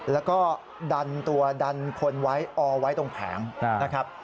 แล้วก็ดันตัวดันคนไว้ออไว้ตรงแผงนะครับ